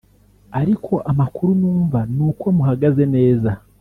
ariko amakuru numva nuko muhagaze neza